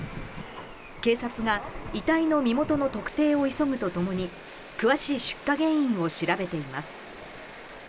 警察が遺体の身元の特定を急ぐとともに、詳しい出火原因を調べています。